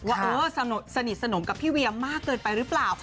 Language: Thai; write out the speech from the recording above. ว่าเออสนิทสนมกับพี่เวียมากเกินไปหรือเปล่า